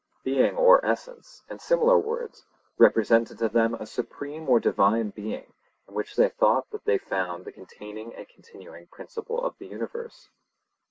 Being or essence, and similar words, represented to them a supreme or divine being, in which they thought that they found the containing and continuing principle of the universe.